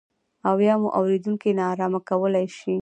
او یا مو اورېدونکي نا ارامه کولای شي.